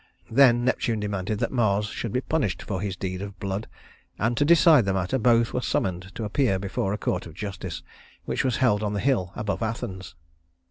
Then Neptune demanded that Mars should be punished for his deed of blood; and to decide the matter, both were summoned to appear before a court of justice, which was held on the hill above Athens.